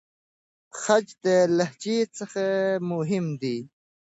خج د لهجې څخه مهم دی.